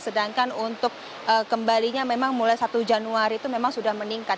sedangkan untuk kembalinya memang mulai satu januari itu memang sudah meningkat